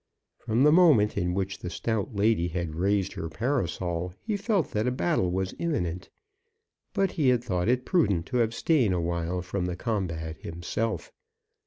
From the moment in which the stout lady had raised her parasol he felt that a battle was imminent; but he had thought it prudent to abstain awhile from the combat himself.